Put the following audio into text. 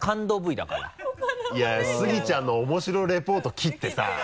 いやスギちゃんのおもしろリポート切ってさ。